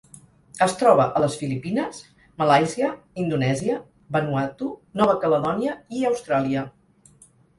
Es troba a les Filipines, Malàisia, Indonèsia, Vanuatu, Nova Caledònia i Austràlia.